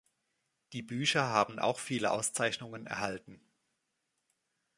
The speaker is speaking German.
Die Bücher haben auch viele Auszeichnungen erhalten.